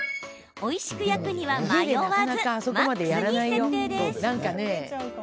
おいしく焼くには迷わずマックスに設定です。